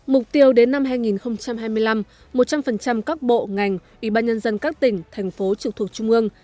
mục tiêu đến năm hai nghìn hai mươi năm một trăm linh các bộ ngành ủy ban nhân dân các tỉnh thành phố trực thuộc trung ương